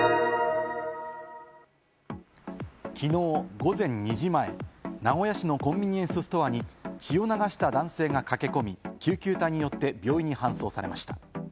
きのう午前２時前、名古屋市のコンビニエンスストアに血を流した男性が駆け込み、救急隊によって病院に運ばれました。